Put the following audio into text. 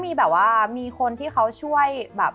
มีแบบว่ามีคนที่เขาช่วยแบบ